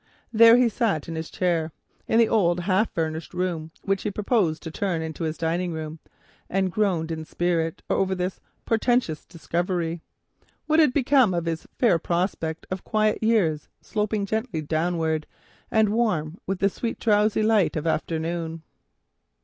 There he sat in his chair in the old half furnished room, which he proposed to turn into his dining room, and groaned in spirit over this portentous discovery. What had become of his fair prospect of quiet years sloping gently downwards, and warm with the sweet drowsy light of afternoon?